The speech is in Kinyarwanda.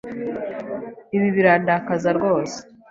Ibi birandakaza rwose.